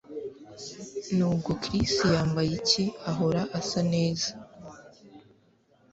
Nubwo Chris yambaye iki ahora asa neza